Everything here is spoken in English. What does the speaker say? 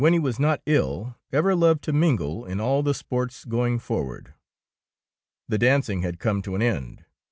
THE KOBE OF THE DUCHESS he was not ill, ever loved to mingle in all the sports going forward. The dancing had come to an end.